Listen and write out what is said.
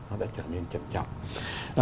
nó đã trở nên chậm chậm